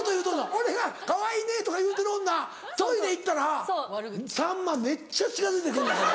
俺が「かわいいね」とか言うてる女トイレ行ったら「さんまめっちゃ近づいて来るんだけど」。